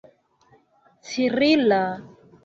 cirila